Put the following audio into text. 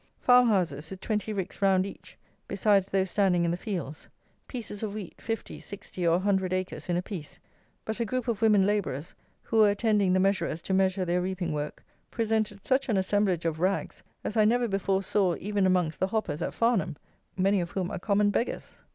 Farmhouses with twenty ricks round each, besides those standing in the fields; pieces of wheat 50, 60, or 100 acres in a piece; but a group of women labourers, who were attending the measurers to measure their reaping work, presented such an assemblage of rags as I never before saw even amongst the hoppers at Farnham, many of whom are common beggars.